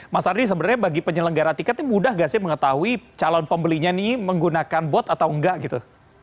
mas ardi sebenarnya bagi penyelenggara tiket ini mudah nggak sih mengetahui calon pembelinya nih menggunakan bot atau enggak gitu